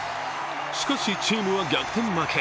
しかし、チームは逆転負け。